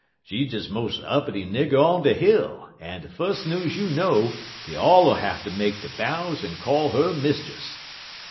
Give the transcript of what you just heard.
She de mos' uppity nigger on de hill, en de fus' news you know dey ull all hatter make der bows en call 'er Mistiss.